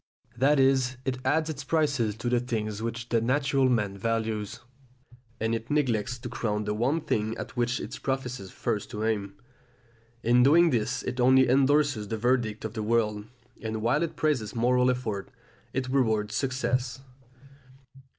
That is, it adds its prizes to the things which the natural man values, and it neglects to crown the one thing at which it professes first to aim. In doing this it only endorses the verdict of the world, and while it praises moral effort, it rewards success.